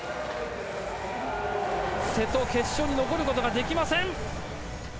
瀬戸、決勝に残ることができません。